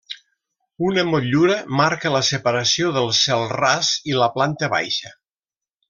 Una motllura marca la separació del cel ras i la planta baixa.